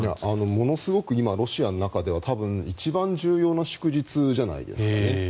ものすごく今、ロシアの中では一番重要な祝日じゃないですかね。